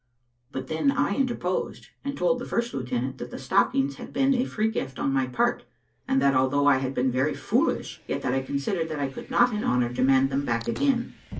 But then I interposed, and told the first lieutenant that the stockings had been a free gift on my part; and that although I had been very foolish, yet that I considered that I could not in honour demand them back again.